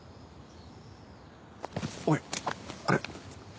おいあれ。